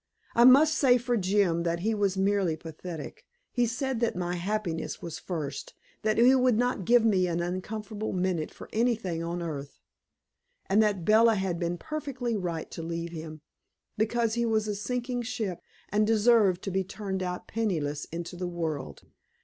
I must say for Jim that he was merely pathetic. He said that my happiness was first; that he would not give me an uncomfortable minute for anything on earth; and that Bella had been perfectly right to leave him, because he was a sinking ship, and deserved to be turned out penniless into the world.